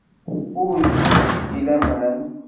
Ur gint deg-i laman.